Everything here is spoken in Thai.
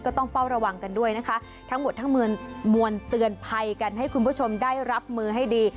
ต้องเฝ้าระวังกันด้วยนะคะทั้งหมดทั้งมวลมวลเตือนภัยกันให้คุณผู้ชมได้รับมือให้ดี